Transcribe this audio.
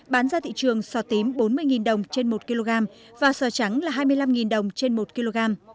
bán ra thị trường sò tím bốn mươi đồng trên một kg và sờ trắng là hai mươi năm đồng trên một kg